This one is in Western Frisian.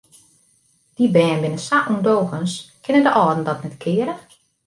Dy bern binne sa ûndogens, kinne de âlden dat net keare?